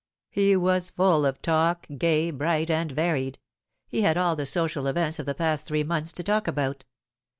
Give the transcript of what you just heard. He was full of talk, gay, bright, and varied. He had all the social events of the past three months to talk about.